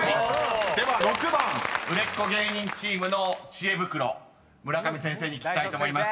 では６番売れっ子芸人チームの知恵袋村上先生に聞きたいと思います。